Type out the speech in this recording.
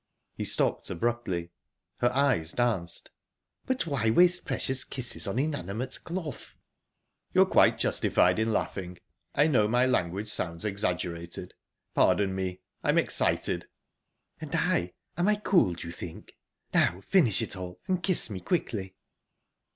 He stopped abruptly. Her eyes danced. "But why waste precious kisses on inanimate cloth?" "You're quite justified in laughing I know my language sounds exaggerated...Pardon me, I'm excited!" "And I am I cool, do you think?...Now finish it all and kiss me quickly!..."